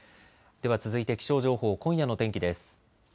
では続いて気象情報、今夜の天気です。